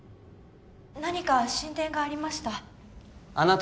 何か進展がありました？